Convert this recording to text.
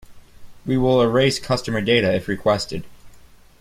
We will erase customer data if requested.